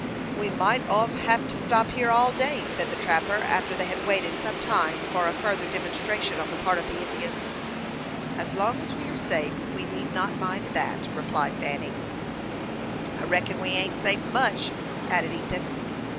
"We mought hev to stop here all day," said the trapper, after they had waited some time for a further demonstration on the part of the Indians. "As long as we are safe, we need not mind that," replied Fanny. "I reckon we ain't safe much," added Ethan.